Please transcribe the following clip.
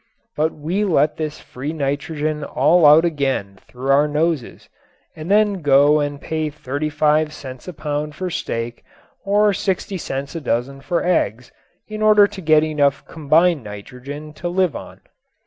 But we let this free nitrogen all out again through our noses and then go and pay 35 cents a pound for steak or 60 cents a dozen for eggs in order to get enough combined nitrogen to live on.